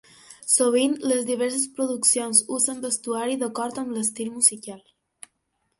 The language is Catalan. Sovint, les diverses produccions usen vestuari d'acord amb l'estil musical.